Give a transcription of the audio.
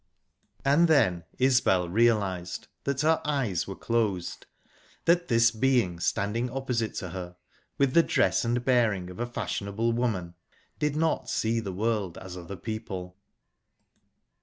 And then Isbel realised that her eyes were closed, that this being standing opposite to her, with the dress and bearing of a fashionable woman, did not see the world as other people!...